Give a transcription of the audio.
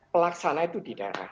pelaksanaan itu di daerah